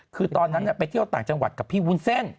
คือตอนนั้นไปเที่ยวต่างจังหวัดกับพี่วุ้นเส้น